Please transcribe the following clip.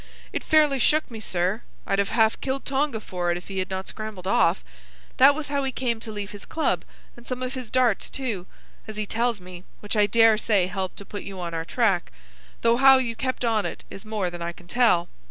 It fairly shook me, sir. I'd have half killed Tonga for it if he had not scrambled off. That was how he came to leave his club, and some of his darts too, as he tells me, which I dare say helped to put you on our track; though how you kept on it is more than I can tell.